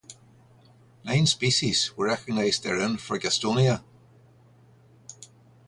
Nine species were recognized therein for "Gastonia".